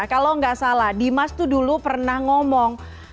kalau nggak salah dimas itu dulu pernah ngomong